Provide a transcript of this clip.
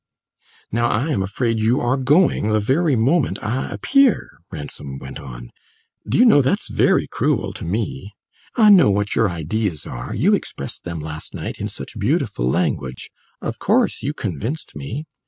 "Now, I am afraid you are going the very moment I appear," Ransom went on. "Do you know that's very cruel to me? I know what your ideas are you expressed them last night in such beautiful language; of course you convinced me.